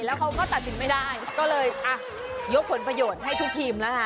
แล้วเขาก็ตัดสินไม่ได้ก็เลยอ่ะยกผลประโยชน์ให้ทุกทีมแล้วค่ะ